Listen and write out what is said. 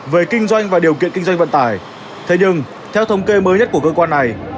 hai nghìn hai mươi về kinh doanh và điều kiện kinh doanh vận tải thế nhưng theo thống kê mới nhất của cơ quan này